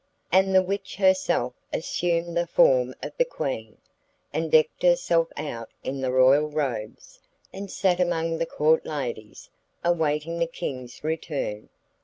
And the witch herself assumed the form of the Queen, and decked herself out in the royal robes, and sat among the Court ladies, awaiting the King's return.